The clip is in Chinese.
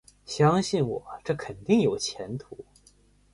相信我，这肯定有前途